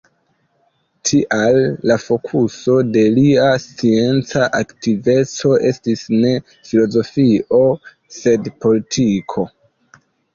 Tial, la fokuso de lia scienca aktiveco estis ne filozofio, sed politiko.